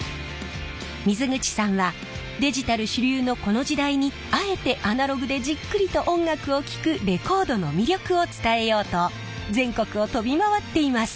水口さんはデジタル主流のこの時代にあえてアナログでじっくりと音楽を聴くレコードの魅力を伝えようと全国を飛び回っています。